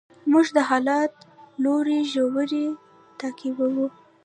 موږ د حالت لوړې ژورې تعقیبوو.